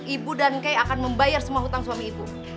ibu dan key akan membayar semua hutang suami ibu